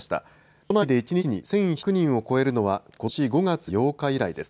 都内で１日に１１００人を超えるのは、ことし５月８日以来です。